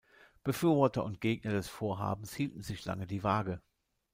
Befürworter und Gegner des Vorhabens hielten sich lange die Waage.